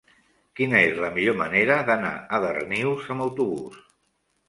Quina és la millor manera d'anar a Darnius amb autobús?